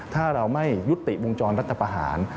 ถ้าเราไม่ยุติวงจรรัฐประหาร